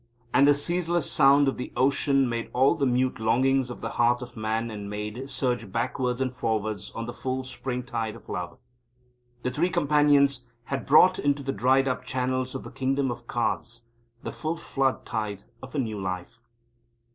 And the ceaseless sound of the ocean made all the mute longings of the heart of man and maid surge backwards and forwards on the full springtide of love. The Three Companions had brought into the dried up channels of the Kingdom of Cards the full flood tide of a new life.